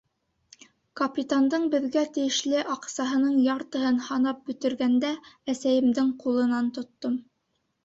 Капитандың беҙгә тейешле аҡсаһының яртыһын һанап бөтөргәндә, әсәйемдең ҡулынан тоттом.